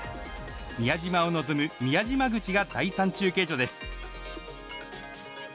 宮島を望む宮島口が第３中継所です。